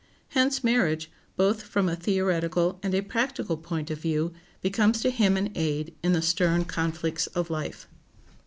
Hence marriage, both from a theoretical and a practical point of view, becomes to him an aid in the stern conflicts of life.